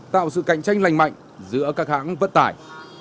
tạo sự cạnh tranh lành mạnh giữa các hãng vận tải